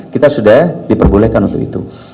kita sudah diperbolehkan untuk itu